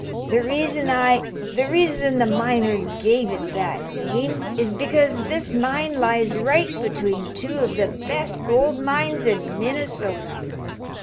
"The reason I the reason the miners gave it that name is because this mine lies right between two of the best gold mines in Minnesota.